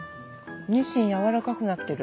ニシンやわらかくなってる。